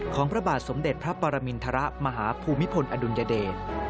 ของพระบาทสมเด็จพระปรมิณฑรามหาภูมิภลอดุญเดด